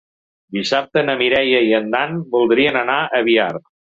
Dissabte na Mireia i en Dan voldrien anar a Biar.